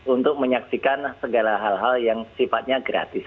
untuk menyaksikan segala hal hal yang sifatnya gratis